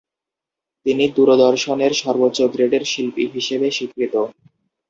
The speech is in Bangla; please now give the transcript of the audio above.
তিনি দূরদর্শনের সর্বোচ্চ গ্রেডের শিল্পী হিসেবে স্বীকৃত।